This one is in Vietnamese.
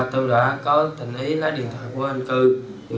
tôi đã có thần ý lái điện thoại của anh cư